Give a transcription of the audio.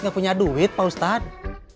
gak punya duit pak ustadz